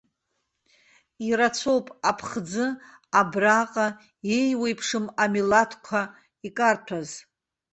Ирацәоуп аԥхӡы абраҟа еиуеиԥшым амилаҭқәа икарҭәаз.